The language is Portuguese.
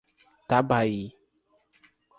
Tabaí